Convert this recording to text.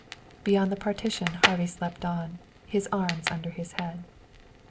Beyond the partition Harvey slept on, his arms under his head.